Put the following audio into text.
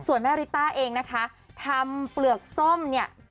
ส่วนแม่ริต้าเองนะคะทำเปลือกส้มเนี่ย